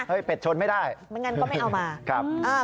เฮ้ยเป็ดชนไม่ได้ไม่งั้นก็ไม่เอามา